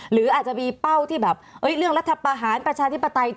หรืออาจจะมีเป้าที่แบบเรื่องรัฐประหารประชาธิปไตย